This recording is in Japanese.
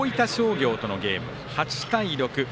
大分商業とのゲーム、８対６。